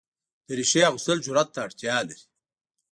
دریشي اغوستل جرئت ته اړتیا لري.